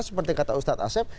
seperti kata ustadz asef